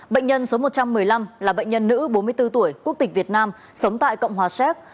bệnh nhân số một trăm một mươi năm là bệnh nhân nữ bốn mươi bốn tuổi quốc tịch việt nam sống tại cộng hòa séc